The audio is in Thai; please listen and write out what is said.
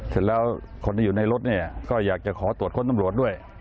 เสร็จแล้วคนที่อยู่ในรถเนี่ยก็อยากจะขอตรวจค้นตำรวจด้วย